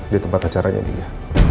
di tempat acaranya dia